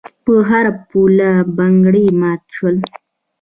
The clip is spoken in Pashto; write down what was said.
په هر پوله بنګړي مات شول.